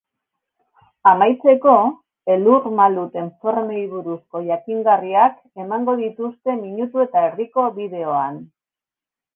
Amaitzeko, elur-maluten formei buruzko jakingarriak emango dituzte minutu eta erdiko bideoan.